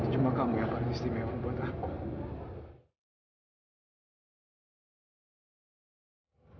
cuma kamu yang paling istimewa buat aku